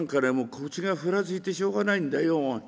腰がふらついてしょうがないんだよ。